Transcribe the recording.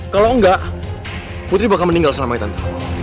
kalau enggak putri bakal meninggal selama ini tante